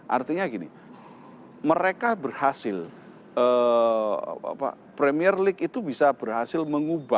artinya gini mereka berhasil premier league itu bisa berhasil mengubah